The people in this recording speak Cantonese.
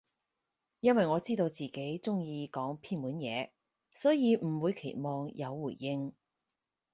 因爲我知道自己中意講偏門嘢，所以唔會期望有回應